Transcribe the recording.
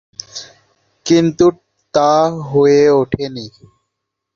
কিন্তু তা হয়ে ওঠে নি।